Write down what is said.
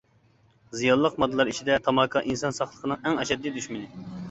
زىيانلىق ماددىلار ئىچىدە تاماكا ئىنسان ساقلىقىنىڭ ئەڭ ئەشەددىي دۈشمىنى.